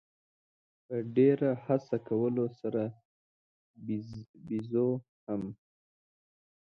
په ډېره هڅه کولو سره بېزو هم.